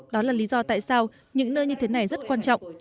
đó là lý do tại sao những nơi như thế này rất quan trọng